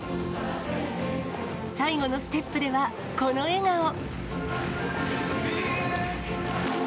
最後のステップでは、この笑顔。